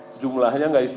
sejumlahnya nggak isinya